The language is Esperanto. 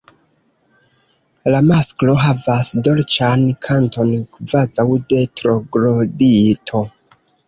La masklo havas dolĉan kanton kvazaŭ de Troglodito.